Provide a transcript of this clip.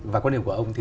và quan điểm của ông